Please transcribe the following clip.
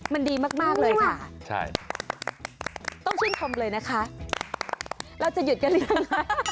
มันดีมากเลยค่ะใช่ต้องชื่นชมเลยนะคะเราจะหยุดกันหรือยังคะ